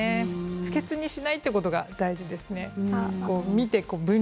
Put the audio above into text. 不潔にしないということが大事です。